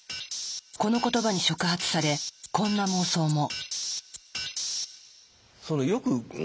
この言葉に触発されこんな妄想も。